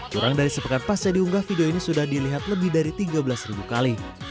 kurang dari sepekan pasca diunggah video ini sudah dilihat lebih dari tiga belas ribu kali